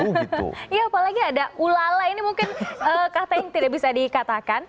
iya apalagi ada ulala ini mungkin kata yang tidak bisa dikatakan